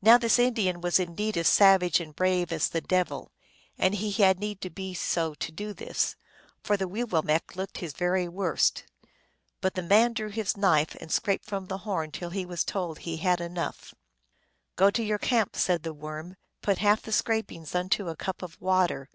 Now this Indian was indeed as savage and brave as the devil ; and he had need to be so to do this, for THE WEEWILLMEKQ;. 329 the Weewillmekq looked his very worst. But the man drew his knife and scraped from the horn till he was told that he had enough. u Go to your camp," said the Worm. " Put half the scrapings into a cup of water.